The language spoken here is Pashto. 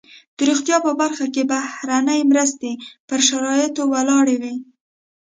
د روغتیا په برخه کې بهرنۍ مرستې پر شرایطو ولاړې وي.